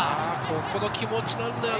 ここの気持ちなんだよな。